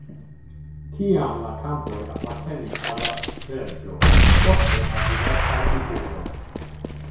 Tiam la kampoj apartenis al la reĝo, poste al diversaj figuroj.